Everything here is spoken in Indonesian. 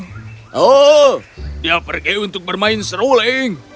oh dia pergi untuk bermain seruling